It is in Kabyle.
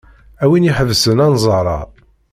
A win iḥebsen anẓar-a.